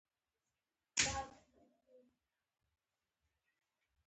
له شته پانګې څخه سمه استفاده نه کیږي.